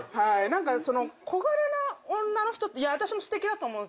何か小柄な女の人って私もすてきだと思うんですよ。